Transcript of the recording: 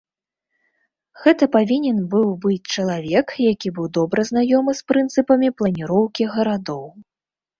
Гэта павінен быў быць чалавек, які быў добра знаёмы з прынцыпамі планіроўкі гарадоў.